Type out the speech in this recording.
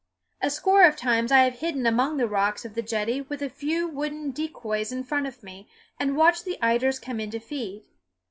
A score of times I have hidden among the rocks of the jetty with a few wooden decoys in front of me, and watched the eiders come in to feed.